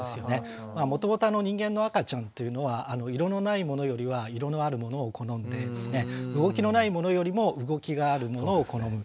もともと人間の赤ちゃんっていうのは色のないものよりは色のあるものを好んで動きのないものよりも動きがあるものを好む。